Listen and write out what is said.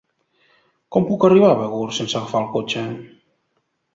Com puc arribar a Begur sense agafar el cotxe?